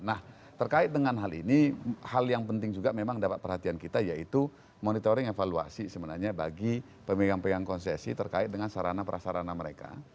nah terkait dengan hal ini hal yang penting juga memang dapat perhatian kita yaitu monitoring evaluasi sebenarnya bagi pemegang pegang konsesi terkait dengan sarana prasarana mereka